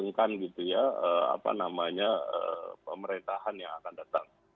mengumumkan gitu ya apa namanya pemerintahan yang akan datang